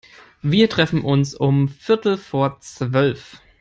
Wir treffen uns um viertel vor Zwölf.